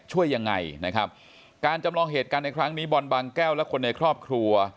ช่วยยังไงนะครับการจำลองเหตุการณ์ในครั้งนี้บอลบางแก้วและคนในครอบครัว